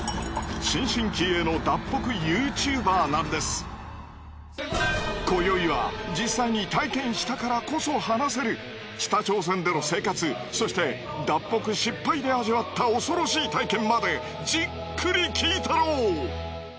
そこには今宵は実際に体験したからこそ話せる北朝鮮での生活そして脱北失敗で味わった恐ろしい体験までじっくり聞いタロウ。